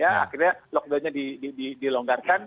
akhirnya lockdown nya dilonggarkan